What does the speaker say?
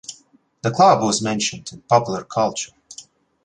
The club was mentioned in popular culture.